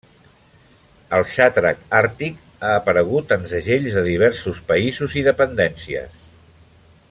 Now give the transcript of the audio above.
El xatrac àrtic ha aparegut en segells de diversos països i dependències.